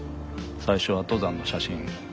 最初は登山の写真